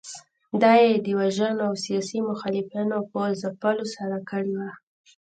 دا یې د وژنو او سیاسي مخالفینو په ځپلو سره کړې وه.